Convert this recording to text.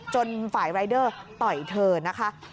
จนฝ่ายรายเดอร์ต่อยเธอนะคะ